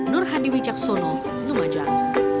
nur hadi wijaksono lumajang